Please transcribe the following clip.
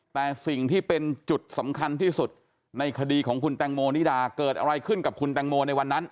แต่สิ่งที่เป็นจุดสำคัญที่สุดในคดีของคุณแตงโมนิดาเกิดอะไรขึ้นกับคุณแตงโมในวันนั้น